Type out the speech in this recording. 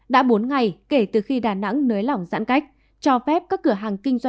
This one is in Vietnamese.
đã bốn ngày kể từ khi đà nẵng nới lỏng giãn cách